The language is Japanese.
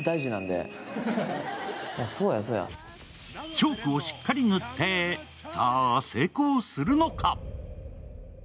チョークをしっかり塗って、さあ、成功するのか？